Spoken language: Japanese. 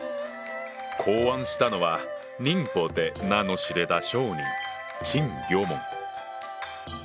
考案したのは寧波で名の知れた商人陳魚門。